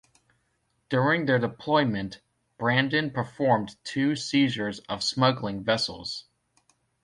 During their deployment, "Brandon" performed two seizures of smuggling vessels.